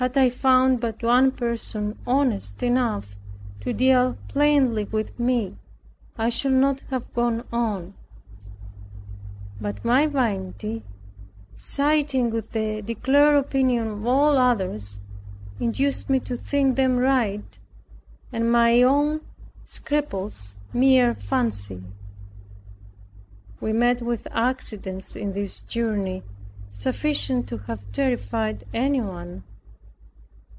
Had I found but one person honest enough to deal plainly with me, I should not have gone on. But my vanity, siding with the declared opinion of all others, induced me to think them right, and my own scruples mere fancy. We met with accidents in this journey, sufficient to have terrified anyone.